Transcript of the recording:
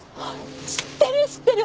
知ってる知ってる！